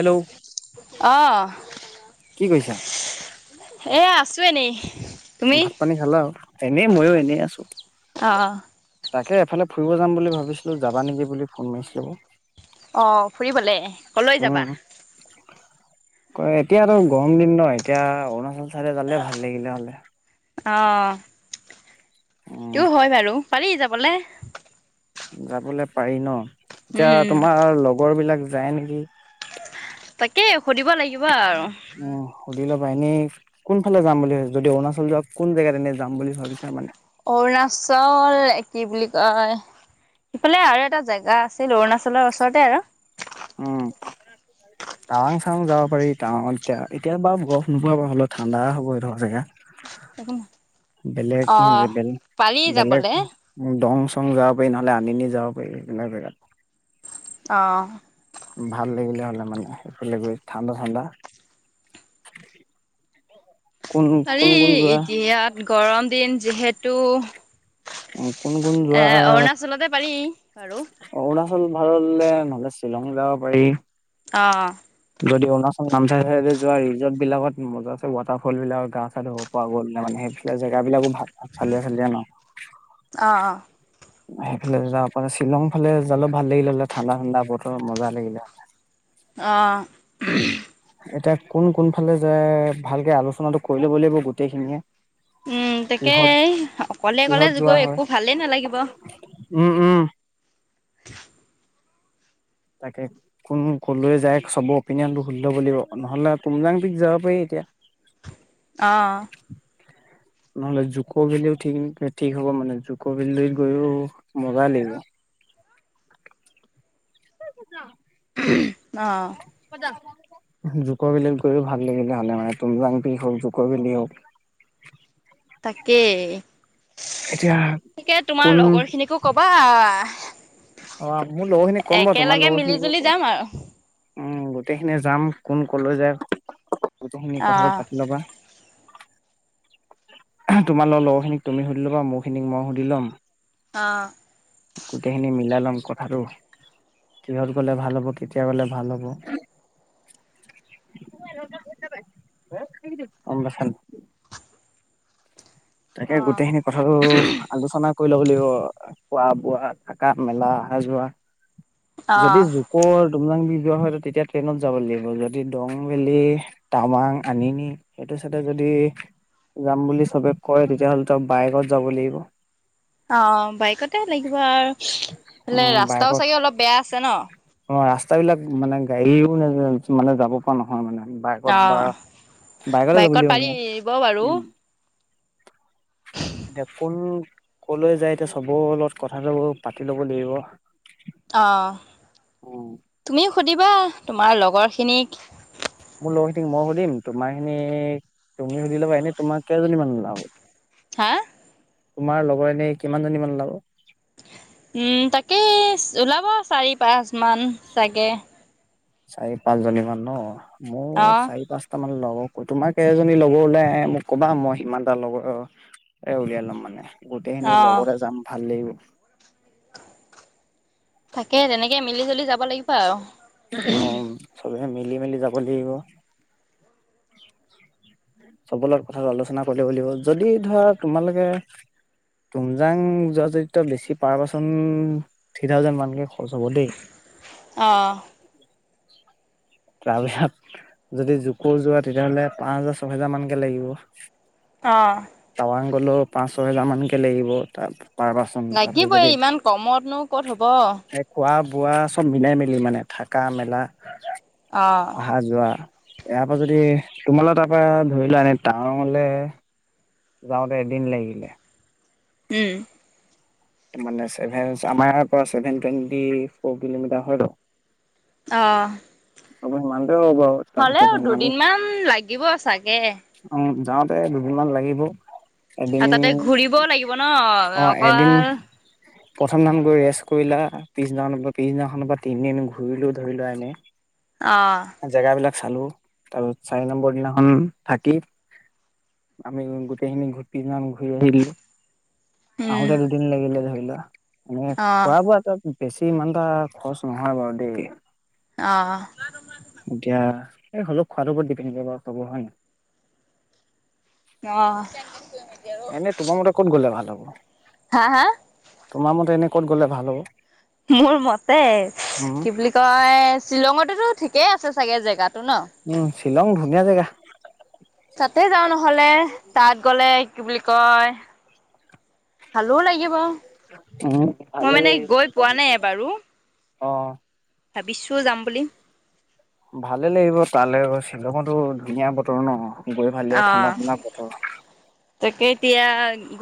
Hello অঁ কি কৰিছা এ আছো এনে ভাত পানী খালা আৰু এনেই মইয়ো এনেই আছো অ তাকে এফালে ফুৰিব যাম বুলি ভাবিছিলো যাবা নেকি বুলি ফোন মাৰিছিলো আকৌ অঁ ফুৰিবলৈ কলৈ যাবা ক এতিয়াতো গৰম দিন ন এতিয়া অৰুণাচল তালে ভাল লাগিলে হ'লে অঁ উম এইটোও হয় বাৰু। পাৰি যাবলে। যাবলে পাৰি ন। এতিয়া উম, তোমাৰ লগৰ বিলাক যায় নেকি? তাকে সুধিব লাগিব আৰু। উম সুধি ল'বা এনেই কোন ফালে যাম বুলি ভাব হৈছে যদি অৰুণাচল যোৱা কোন জেগাত এনে যাম বুলি ভাবিছা মানে। অৰুণাচল কি বুলি কয়? ইফালে আৰু এটা জেগা। আছিল অৰুণাচলৰ ওচৰতে আৰু। উম টাৱাং চাং যাব পাৰি টাৱাঙত এতিয়া এতিয়া বাৰু বৰফ নোপোৱা হ'লেও ঠাণ্ডা হ'ব এই ধৰ জেগা। বেলেগ অ', যে বেলে পাৰি যাবলে। বেলেগ দং চং যাব পাৰি নহলে আনি নি যাব পাৰি স বেগ অ'। ভাল লাগিলে হলে মানে সেইফালে গৈ ঠাণ্ডা ঠাণ্ডা। কোন কোন কোন যোৱা [unintelligible] গৰম দিন যিহেতু। যিহেতু। উম। এ অৰুণাচলতে পাৰি। বাৰু। অৰুণাচল। ভাল নহলে নহলি শ্বিলং যাব পাৰি। অ যদি অৰুণাচল, নামচাৰ চাই যোৱা ৰিজৰ্টবিলাকত মজা আছে ৱাটাৰফলবিলাক গা চা ধুব পৰা গ'ল মানে সেইফালে জেগাবিলাকো ভাল। চালিয়া চালিয়া ন। অ', অ'। সেইফালে যাব প শ্বিলং ফালে যালেও ভাল লাগিল হ'লে ঠাণ্ডা ঠাণ্ডা বতৰ মজা লাগিলে। অ'। এতিয়া কোন কোন ফালে যে ভালকে আলোচনাটো কৰি ল'ব লাগিব গোটেইখিনিয়ে। উম, তাকে কিহত অকলে অকলে কিহত যগৈ একো ভালেই নালাগিব। উম, উম। তাকে কোন কলৈ যায় চবৰ অপিনিয়নটো শুদ্ধ বুলিব, নহ'লে তুমজাং পিক যাব পাৰি এতিয়া। আহ। নহ'লে জু'ক ভেলিও ঠিক-ঠিক হ'ব মানে জু'ক ভেল গৈও মজা লাগিব। [unintelligible] অহ। জু'ক ভেলিত গৈও ভাল লাগিলে হ'লে মানে তিমজাং পিক হওক জুক ভেলি হওক। তাকে। এতিয়া তিকে কোন তোমাৰ লগৰ খিনিকো কবা। অ' মোৰ লগৰ খিনিক কম ব তোমাৰ একেলগে লগৰ মিলি খিনিক জুলি কবা। যাম আৰু। গোটেইখিনি যাম কোন ক'লৈ যায়। গতো শুিনি কথাটো অ', পাতি ল'বা। তোমাৰ ল-লগৰ খিনিক তুমি সুধি লবা মোৰ খিনিক মই সুধি ল'ম। অ', কোটেইখিনি মিলাল কথাটো কিহত গলে ভাল হব, কেতিয়া গলে ভাল হব। [unintelligible] তাকে অ', গোটেইখিনি কথাটো আলোচনা কৰি ল'ব লাগিব। খোৱা বোৱা থকা মেলা আহা যোৱা। যদি অ'। জোকৰ তুমলাং বি হয়তো তেতিয়া ট্ৰেইনত যাব লাগিব যদি দং বেলি, টামাং, আনিন সেইটো চাইড যদি যাম বুলি চবে কয় তেতিয়াহ'লে তই বাইকত যাব লাগিব। অ', বাইকতে লাগিব আৰু বলে উম ৰাস্তাও বাইকত চাগে অলপ বেয়া আছে ন? ৰাস্তাবলাক মানে গাড়ীও মানে যাব পৰা নহয় মানে। বাইকত বা অ', বাইকতে যাব বাইকত লাগিব পাৰি মানে আহিব বাৰু। উম এতিয়া কোন কলৈ যায় এতিয়া চবৰ লগত কথাটো পাতি ল'ব লাগিব। অ', উম, তুমিও সুধিবা তোমাৰ লগ লগৰখিনিক মোৰ লগ খিটিক মই সুধিম, তোমাৰ খিনি তুমি সুধি লবা এনে তোমাৰ কেইজনী মানুউলাও? হা? তোমাৰ লগৰ এনে কিমান জনী মান ওলাব? উম, তাকেই ওলাব চাৰি, পাঁচ মান চাগে। চাৰ পাঁচজনী মমান ন? মোৰ অ', চাৰি পাঁচটা মান লগক কয়। তোমাৰ কেই এজনী লগৰ ওলাই আহে মোক ক'বা। মই সিমানটা লগৰ এ, উলিয়াই লম মানে। গোটেইখিনি অ'। লগৰে যাম ভাল লাগিব। [inaudible] থাকে। তেনেকে মিলিজুলি যাব লাগিব আৰু। অম, চবে। এ, মিলি মেলি যাব লাগিব। চবৰ লগত কথাটো আলোচনা কৰিলে বুলিও যদি ধৰা, তোমালোকে তুমজাং যোৱা জৰিত বেছি পাৰ পাৰ্চন থ্ৰী থাউজেণ্ড মানকে খৰচ হ'ব দেই। অহ। তাৰপিছত যদি জুকোৰ যোৰা তেতিয়াহ'লে পাঁচহেজাৰ ছয়হেজাৰ মানকে লাগিব। অহ। ক'লেও পাঁচ ছহেজাৰমানকে লাগিব তাত। লাগিবই ইমান কমতনো ক'ত হ'ব। এ খোৱা বোৱা চব মিলাই মেলি মানে। থাকা মেল লা। অ'। অহা যোৱা। ইয়াৰ পৰা যদিহ তোমালৰ তাৰপা ধৰি লোৱা এনে টাৱাংৱলে যাওঁতে এদিন লাগিলে। উম। তেমানে চেভেন আছে, আমাৰ ইয়াৰ পৰা চেভেন টুৱেন্টি ফৰ কিলোমিটাৰ হয়তো। অহ। চবে মান হ'লেও দুদিনমান লাগিব চাগে। অ' যাওঁতে দুদিনমান লাগিব। এদিন আৰু তাতে ঘূৰিবও লাগিব ন অ' এদিন অকল। প্ৰথম নাম গৈ ৰেষ্ট কৰিলা, পিছদিনা নম্বৰ পিছদিনাখনৰ পৰা তিনিদিন ঘূৰিলো ধৰিলোৱা এনে, অহ। জেগাবিলাক চালো তাৰপিছত চাৰি নম্বৰ দিনাখন থাকি আমি গোটেইখিনি ঘূতিনাম ঘূৰি আহিলো। উম। আহোঁতে দুদিন লাগিলে ধৰি লহ [unintelligible] মই অ', খোৱাবোৱাত আৰু কি বেছি ইমানটা খৰচ নহয় বাৰু দেই। অ'। এতিয়া, এই হ'লেও খোৱাৰটো ওপৰত ডিপেণ্ড কৰিব থ'ব হয়নে, অহ। এনে তোমাৰ মতে ক'ত গ'লে ভাল হ'ব? [inaudible] হা, হা। তোমাৰ মতে এনেই ক'ত গ'লে ভাল হ'ব? মোৰ মতে উম কি বুলি কয়, শ্বিলঙত, ঠিকেই আছে চাগে জেগাত, উম শ্বিলং ধুনীয়া জেগা [inaudible] তে যা ন হলে তাত গ'লে, কি বুলি কয় ভালো লাগিব। উ ভাল মই মানে গৈ লাগে। পোৱা নাই এবাৰো অ'। ভাবিছো যাম বুলি। ভালে লাগিব তালৈ শ্বিলঙতো ধুনীয়া বতৰ ন'। গৈ ভাল লাগিব ঠাণ্ডা অ' ঠাণ্ডা বতৰ। তাকে এতিয়া,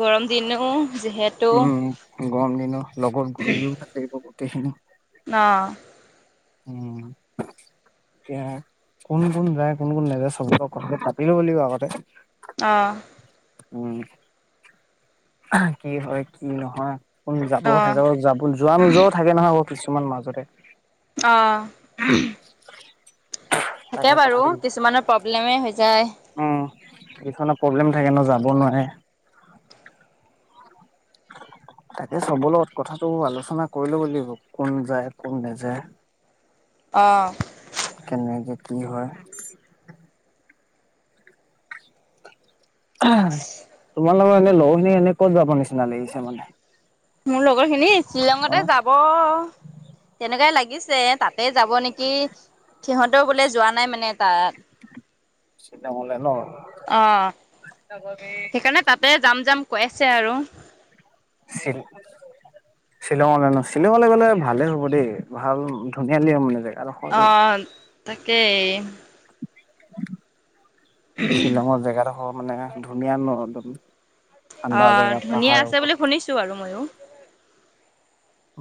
গৰম দিনো। যিহেতু উম গৰম দিন লগত ঘূৰিও থাকিব তেখ অহ উম এয়া কোন কোন যায় কোন কোন নাযায় চবৰ লগতে কথাতে পাতিব লাগিব আগতে অহ উম কি হয় কি নহয় যাব অ', যাব যাব যোৱা নোযোৱাও থাকে নহয় অ কিছুমান মাজতে অহ থাকে তাকে বাৰু কথাটো কিছুমানৰ অসুবিধা হৈ যায় এইখনত অসুবিধা থাকে ন যাব নোৱাৰে তাকে চবৰ লগত কথাটো আলোচনা কৰি লও নেকি কোন যায় কোন নাযায় অ', কেনে যে কি হয় তোমাৰ এনে লখিনি এনে ক'ত যাব নিচিনা লাগিছে মানে মোৰ লগ লগৰ খিনি শ্বিলঙতে অ'? যাব তেনেকেই লাগিছে তাতে যাব নেকি সিহঁতেও বোলে যোৱা নাই মানে তাত শ্বিলঙলে ন? অহ সেইকাৰণে তাতে যাম যাম কৈ আছে আৰু শ্বিলঙলৈ ন শ্বিলঙলৈ গ'লে ভালে হ'ব দেই ভাল ধুনীয়া লিয় মানে জা অ ত েই [inaudible] [inaudible] মানে ধুনীয়া নো একদম অ ঠাণ্ডা জেগা ধুনীয়া পাহাৰৰ আছে ওপৰত বুলি শুনিছো আৰু ময়ো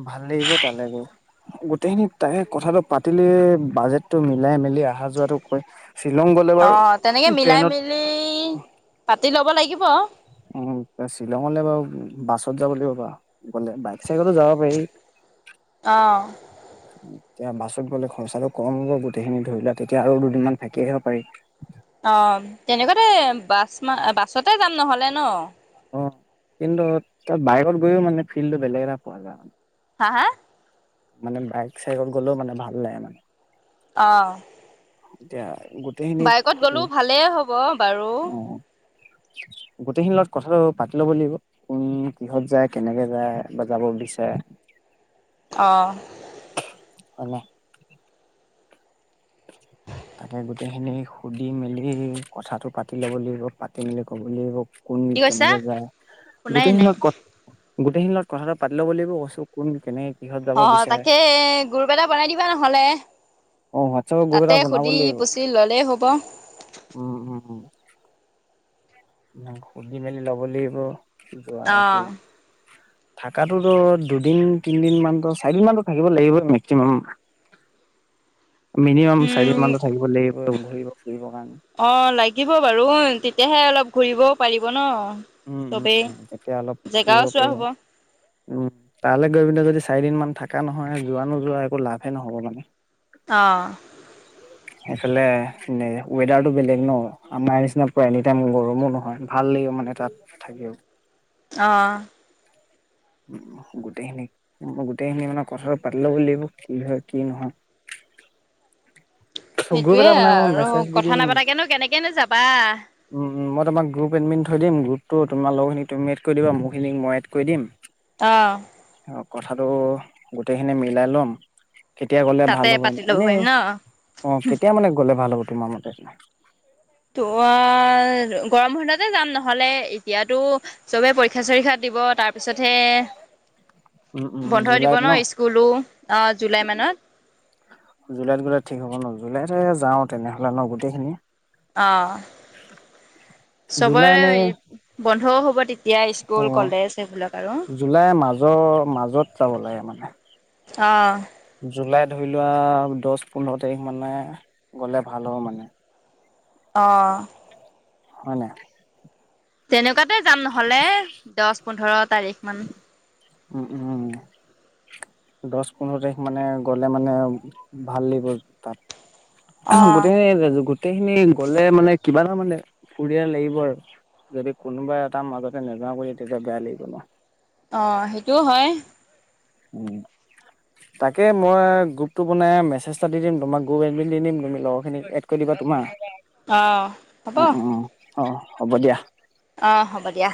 ভাল লাগিব তালৈ গৈ গোটেইখিনি তাই কথাটো পাতিলে বাজেটটো মিলাই মেলি অহা যোৱাটো কয় অ তেনেকে মিলাই মেলি পাতি লব লাগিব উ শ্বিলঙলৈ বাৰু বাছত যাব লাগিব বাা গলে বাইক চাইকো যাব পাৰি অঁ এতিয়া বাছত গ'লে খৰচাটো কম হ'ব গোটেইখিনি ধৰি লোৱা তেতিয়া আৰু দুদিনমান ফেকি আহিব পাৰি অ তেনেকুৱাতে বাছ ম বাছতে যাম নহলে ন অ কিন্তু তাত বাইকত গৈও মানে ফিল্ডটো বেলেগ এটা পোৱা যায়ানে হা হা মানে বাইক চাইকেল গ'লেও মানে ভাল লাগে মানে। আহ। এতিয়া গোটেইখিনি বাইকত গ'লোও ভালেই হ'ব বাৰু। গোটেইখিন লগত কথাটো পাতি ল'ব লাগিব, কোন কিহত যায়, কেনেকে যায় বা যাব বিচাৰে অঁ। হয় নে? তাকে গোটেইখিনি সুধি মেলি কথাটো পাতি ল'ব লাগিব, পাতি মেলি ক'ব লাগিব। কোন কি কৈছা কেনেকে যায় শুনাই গোটেইখিন নাই লগত ক গোটেইখিনি লগত কথাটো পাতি লব লিব কৈছো কোন কেনে অ তাকে গ্ৰুপ এটা বনাই দিবা নহলে। অ হোৱাটছএপৰ গ্ৰুপ তাতে এটা বনাব সুধি লাগিব, পুচি ল'লেই হ'ব উম উম। ন সুধি মেলি লব লাগিব। অ যোৱাটো। থাকা টো ত দুদিন তিনদিন মান টো চাৰিদিন মানত থাকিব লাগিবই মেক্সিমাম। মিনিমাম চাৰিদিন উম মানত থাকিব লাগিব ঘৰিব ফুৰিবৰ কাৰণে। অ লাগিব বাৰু তেতিয়াহে অলপ ঘূৰিবও পাৰিব ন। উম, উম, চবেই উম, তেতিয়া অলপ ফুব জেগাও চোৱা পাৰিব। হ'ব উম তালৈ গৈ পিনে যদি চাৰিদিন মান থকা নহয় যোৱা নো যোৱা একো লাভে নহব মানে। অ। সেইফালে এনে ৱেডাৰটো বেলেগ ন আমাৰ নিচিনা প এনিটাইম গৰমো নহয় ভাল লাগিব মানে তাত থাকেও। আহ। গোটেইখিনি গোটেইখিনি মানে কথা পাতিলে লাগিব কি হয় কি নহয়। গ্ৰুপ সেইটোয়ে এটা বনাই মই আৰু মেছেজ দি দিম কথা নাপাতাকেনো কেনেকেনো যাবা। উম মই তোমাক গ্ৰুপ এডমিন থৈ দিম গ্ৰুতটো তোমাৰ লগৰখিনিক তুমি এড কৰি দা মোৰ খিনিক মই এড কৰি দিম। আহ। কথাাতটো গোটেইখিনি মিলাই লম। কেতিয়া গ'লে ভাল তাতে হ'ব পাতি এনে ল'ব এনেই পাৰিম ন? অ কেতিয়া মানে গ'লে ভাল হ'ব। তোমাৰ মতে। ত গৰম হতে যাম নহলে এতিয়াতো চবে পৰীক্ষা চৰীক্ষাত দিব তাৰপিছতহে উম উম বন্ধই দিব জুলাইত ন স্কুলো। অ' জুলাই মানত জুলাইত গ'লে ঠিক হ'ব ন, জুলাই তে যাওঁ তেনেহ'লে ন গোটেইখিনি। অ জুলাই চবৰে এনে বন্ধও হ'ব তেতিয়া অ স্কুল কলেজ সেইবিলাক আৰু। জুলাই মাজৰ মাজত যাব লাগে মানে। অঁ। জুলাই ধৰি লোৱা দহ পোন্ধৰ তাৰিখ মানে গ'লে ভাল হ'ব মানে। আহ। হয় নাই? তেনেকুৱাত ততে যাম নহলে দশ পোন্ধৰত তাৰিখ মান উম উম দশ পোন্ধৰ তাৰিখ মানে গলে মানে ভাল লাগিব তাত অ'। গোটেইখিনি ৰাজ গোটেইখিনি গলে মানে কিবা এটা মানে ফুৰিয়াৰ লাগিব আৰু যদি কোনোবা এটা মাজতে নোযাোৱাওঁ কৰি তেতিয়া বেয়া লাগিব নহ অঁ সেইটোও হয়। উম তাকে মই গ্ৰুপটো বনাই মেছেজটা দি দিম তোমাক গ্ৰুপ এডমিন দি দিম তুমি লগৰখিনিক এড কৰি দিবা তোমাৰ অঁ হ'ব। অ অ অ হ'ব দিয়া। অঁ হ'ব দিয়া।